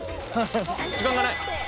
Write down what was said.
時間がない。